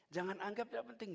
jangan anggap tidak penting